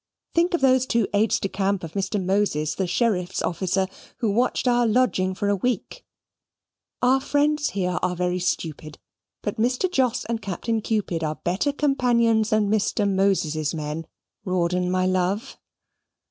"Think of those two aides de camp of Mr. Moses, the sheriff's officer, who watched our lodging for a week. Our friends here are very stupid, but Mr. Jos and Captain Cupid are better companions than Mr. Moses's men, Rawdon, my love."